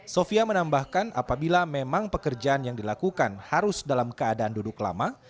sofia menambahkan apabila memang pekerjaan yang dilakukan harus dalam keadaan duduk lama